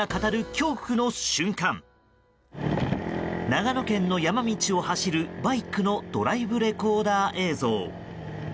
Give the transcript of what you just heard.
長野県の山道を走る、バイクのドライブレコーダー映像。